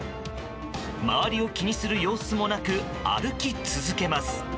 周りを気にする様子もなく歩き続けます。